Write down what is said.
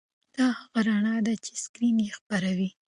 دا هغه رڼا ده چې سکرین یې خپروي.